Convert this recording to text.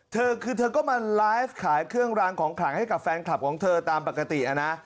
เธอคือเธอก็มาไลฟ์ขายเครื่องรางของขลังให้กับแฟนคลับของเธอตามปกตินะ